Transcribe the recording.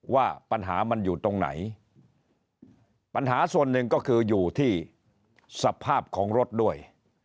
ว่าปัญหามันอยู่ตรงไหนปัญหาส่วนหนึ่งก็คืออยู่ที่สภาพของรถด้วย